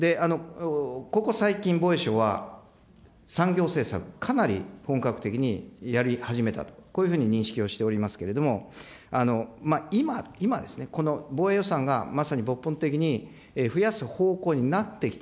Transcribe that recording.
ここ最近、防衛省は、産業政策、かなり本格的にやり始めたと、こういうふうに認識をしておりますけれども、今ですね、防衛予算がまさに抜本的に増やす方向になってきた